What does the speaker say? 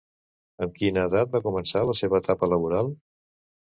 Amb quina edat va començar la seva etapa laboral?